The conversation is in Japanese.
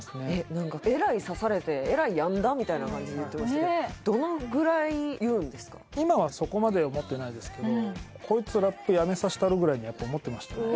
何かえらい刺されてえらい病んだみたいな感じで言ってましたけど今はそこまで思ってないですけどぐらいに思ってましたね